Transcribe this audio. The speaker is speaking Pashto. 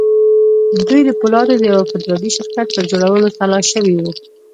دوی د پولادو د يوه فدرالي شرکت پر جوړولو سلا شوي وو.